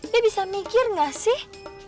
dia bisa mikir gak sih